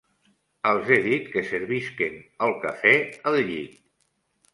Els he dit que servisquen el café al llit.